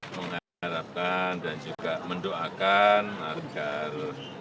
mengharapkan dan juga mendoakan agar